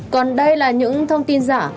còn đây là những thông tin giả